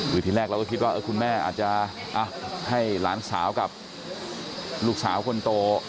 คือทีแรกเราก็คิดว่าคุณแม่อาจจะให้หลานสาวกับลูกสาวคนโต